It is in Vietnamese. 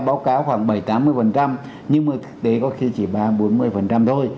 báo cáo khoảng bảy mươi tám mươi nhưng mà thực tế có khi chỉ ba bốn mươi thôi